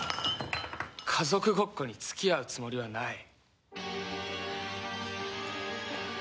家族ごっこに付き合うつもりはない。